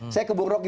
saya ke bung roki